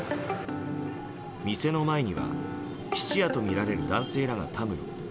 店の前には質屋とみられる男性らがたむろ。